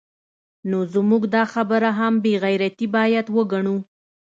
نو زموږ دا خبره هم بې غیرتي باید وګڼو